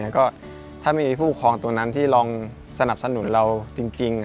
ก็ถ้ามีผู้ปกครองตัวนั้นที่ลองสนับสนุนเราจริง